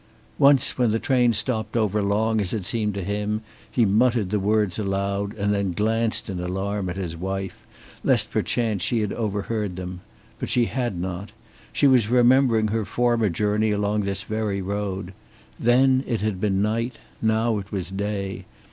Once, when the train stopped over long as it seemed to him he muttered the words aloud and then glanced in alarm at his wife, lest perchance she had overheard them. But she had not. She was remembering her former journey along this very road. Then it had been night; now it was day.